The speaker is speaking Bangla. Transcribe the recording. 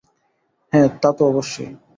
হ্যাঁ, তা তো অবশ্যই।